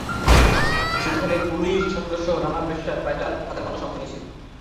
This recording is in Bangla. সেখানে পুলিশ, ছাত্রসহ নানা পেশার প্রায় চার হাজার মানুষ অংশ নেন।